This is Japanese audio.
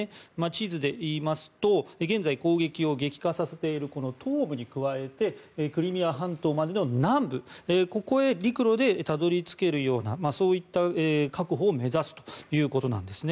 地図でいいますと現在、攻撃を激化させている東部に加えてクリミア半島までの南部ここへ陸路でたどり着けるようなルートの確保を目指すということです。